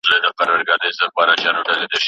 د مطالعې کلتور بايد غني سي.